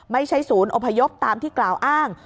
ไม่ใช่ศูนย์อพยพตามที่กล่าวอ้าง